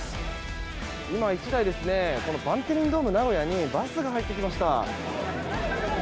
１台バンテリンドームナゴヤにバスが入ってきました。